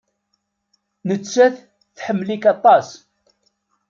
Nettat tḥemmel-ik aṭas.